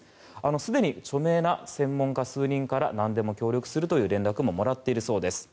すでに著名な専門家数人からなんでも協力するという連絡ももらっているそうです。